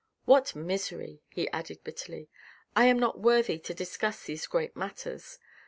What misery," he added bitterly. " I am not worthy to discuss these great matters.